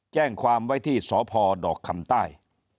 แจ้งความไว้ที่สพดอกคำใต้